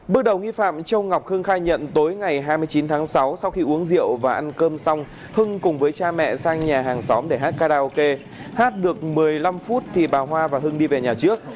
bước đầu nghi phạm châu ngọc hưng khai nhận tối ngày hai mươi chín tháng sáu sau khi uống rượu và ăn cơm xong hưng cùng với cha mẹ sang nhà hàng xóm để hát karaoke hát được một mươi năm phút thì bà hoa và hưng đi về nhà trước